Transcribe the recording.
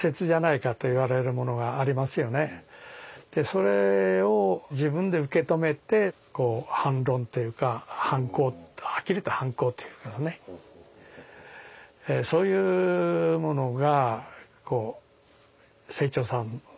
それを自分で受け止めて反論というかはっきりと反抗というけどねそういうものが清張さん